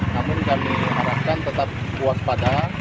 namun kami harapkan tetap puas pada